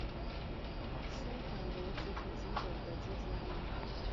纾缓留职停薪者的经济压力